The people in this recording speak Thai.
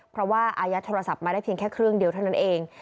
เพราะว่าอายัดโทรศัพท์มาได้เพียงแค่เครื่องเดียวเท่านั้นเอง